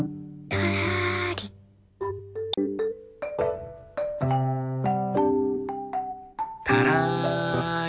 たらり。